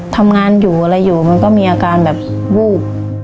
ทำงานอยู่อะไรอยู่มันก็มีอาการแบบวูบ